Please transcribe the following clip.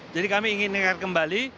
jadi kami ingin ingat kembali